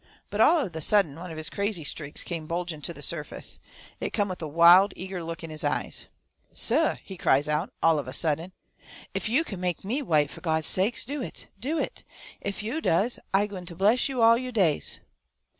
But all of a sudden one of his crazy streaks come bulging to the surface. It come with a wild, eager look in his eyes. "Suh," he cries out, all of a sudden, "ef yo' kin make me white, fo' Gawd sakes, do hit! Do hit! Ef yo' does, I gwine ter bless yo' all yo' days!